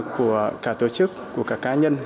của cả tổ chức của cả cá nhân